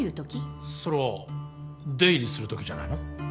それは出入りするときじゃないの？